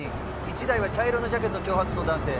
一台は茶色のジャケット長髪の男性